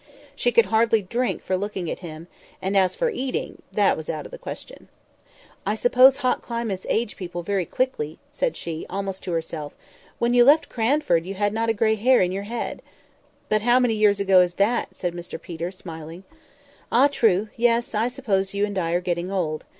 She could hardly drink for looking at him, and as for eating, that was out of the question. "I suppose hot climates age people very quickly," said she, almost to herself. "When you left Cranford you had not a grey hair in your head." "But how many years ago is that?" said Mr Peter, smiling. "Ah, true! yes, I suppose you and I are getting old.